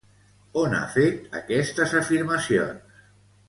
On ha fet aquestes afirmacions?